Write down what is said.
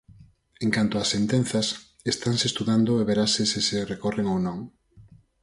En canto ás sentenzas, estanse estudando e verase se se recorren ou non.